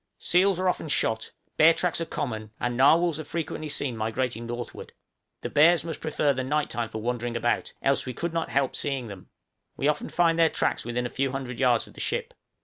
Seals are often shot, bear tracks are common, and narwhals are frequently seen migrating northward. The bears must prefer the night time for wandering about, else we could not help seeing them; we often find their tracks within a few hundred yards of the ship.